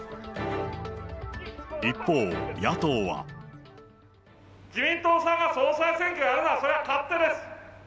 一方、野党は。自民党さんが総裁選挙をやるのは、それは勝手です。